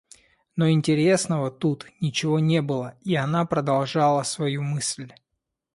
Но интересного тут ничего не было, и она продолжала свою мысль.